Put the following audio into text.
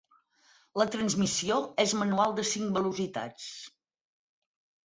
La transmissió és manual de cinc velocitats.